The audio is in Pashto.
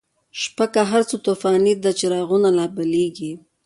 شپه که هر څه توفانی ده، چراغونه لا بلیږی